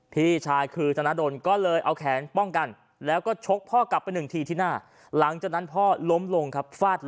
ผู้ใหญ่คือธนโดรณ์ก็เลยเอาแขป้องกันแล้วก็ชบพ่อกับหนึ่งทีที่หน้าหลังจากนั้นพ่อล้มลงขับฝาด